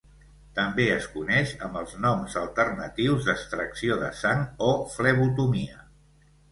També es coneix amb els noms alternatius d'extracció de sang o flebotomia.